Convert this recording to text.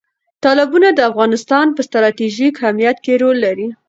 تالابونه د افغانستان په ستراتیژیک اهمیت کې رول لري.